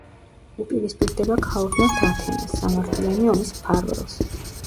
უპირისპირდება ქალღმერთ ათენას, სამართლიანი ომის მფარველს.